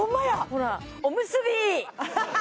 ほらおむすび！